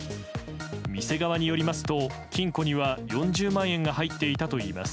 店側によりますと、金庫には４０万円が入っていたといいます。